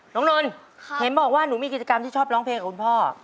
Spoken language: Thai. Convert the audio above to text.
นนท์เห็นบอกว่าหนูมีกิจกรรมที่ชอบร้องเพลงกับคุณพ่อ